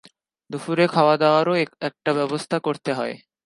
দুপুরের খাওয়াদাওয়ারও একটা ব্যবস্থা করতে হয়।